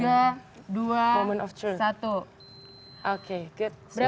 jadi semua wacara di sini sehat sehat ya